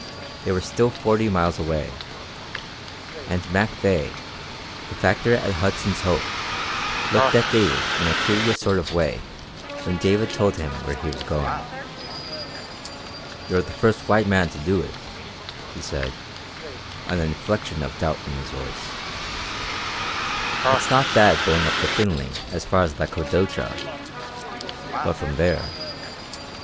They were still forty miles away. And Mac Veigh, the factor at Hudson's Hope, looked at David in a curious sort of way when David told him where he was going. "You're the first white man to do it," he said an inflection of doubt in his voice. "It's not bad going up the Finly as far as the Kwadocha. But from there...."